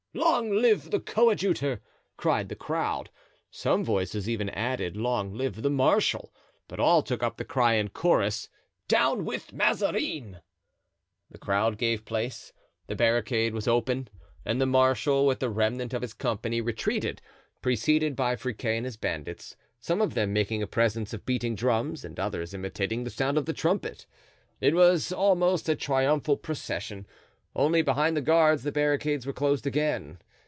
"Long live the coadjutor!" cried the crowd. Some voices even added: "Long live the marshal!" But all took up the cry in chorus: "Down with Mazarin!" The crowd gave place, the barricade was opened, and the marshal, with the remnant of his company, retreated, preceded by Friquet and his bandits, some of them making a presence of beating drums and others imitating the sound of the trumpet. It was almost a triumphal procession; only, behind the guards the barricades were closed again.